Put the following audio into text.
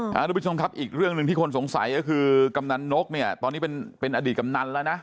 คุณผู้ชมครับอีกเรื่องหนึ่งที่คนสงสัยก็คือกำนันนกเนี่ยตอนนี้เป็นเป็นอดีตกำนันแล้วนะ